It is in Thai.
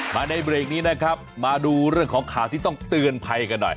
ในเบรกนี้นะครับมาดูเรื่องของข่าวที่ต้องเตือนภัยกันหน่อย